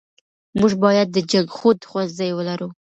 موږ بايد د جنګښود ښوونځی ولرو .